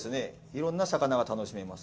いろんな魚が楽しめます。